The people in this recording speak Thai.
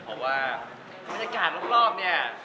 เพราะว่าบรรยากาศรอบเนี่ย